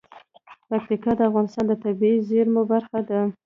پکتیکا د افغانستان د طبیعي زیرمو برخه ده.